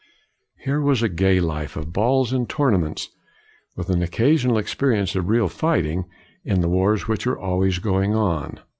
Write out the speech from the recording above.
Here was a gay life of balls and tourna ments, with an occasional experience of real fighting, in the wars which were al ways going on.